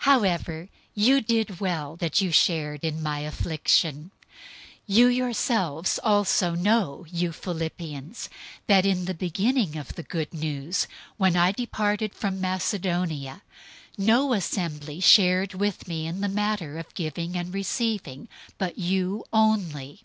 004:014 However you did well that you shared in my affliction. 004:015 You yourselves also know, you Philippians, that in the beginning of the Good News, when I departed from Macedonia, no assembly shared with me in the matter of giving and receiving but you only.